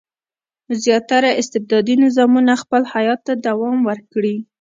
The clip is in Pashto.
زیاتره استبدادي نظامونه خپل حیات ته دوام ورکړي.